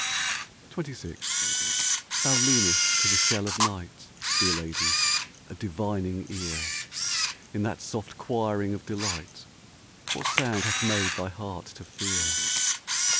XXVI Thou leanest to the shell of night, Dear lady, a divining ear. In that soft choiring of delight What sound hath made thy heart to fear